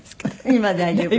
今大丈夫？